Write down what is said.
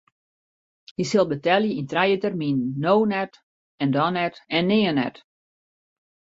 Hy sil betelje yn trije terminen: no net en dan net en nea net.